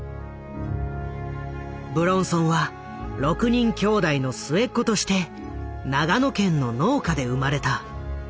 武論尊は６人きょうだいの末っ子として長野県の農家で生まれた。